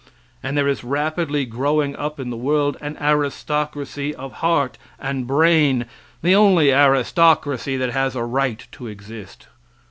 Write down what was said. And there is rapidly growing up in the world an aristocracy of heart and brain the only aristocracy that has a right to exist.